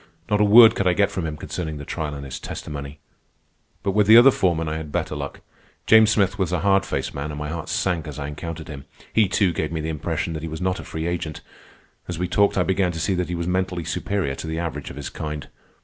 Not a word could I get from him concerning the trial and his testimony. But with the other foreman I had better luck. James Smith was a hard faced man, and my heart sank as I encountered him. He, too, gave me the impression that he was not a free agent, and as we talked I began to see that he was mentally superior to the average of his kind.